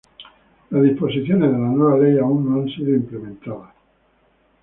Las disposiciones de la nueva ley aún no han sido implementadas.